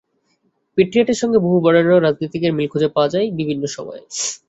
প্যাট্রিয়টের সঙ্গে বহু বরেণ্য রাজনীতিকের মিল খুঁজে পাওয়া যায় বিভিন্ন সময়ে।